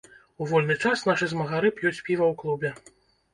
У вольны час нашы змагары п'юць піва ў клубе.